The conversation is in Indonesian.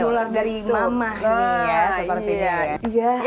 mulai dari mamah nih ya seperti itu